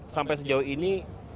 sampai sejauh ini